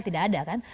tidak ada kan